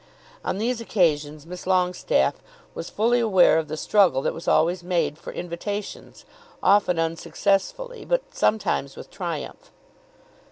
On these occasions Miss Longestaffe was fully aware of the struggle that was always made for invitations, often unsuccessfully, but sometimes with triumph.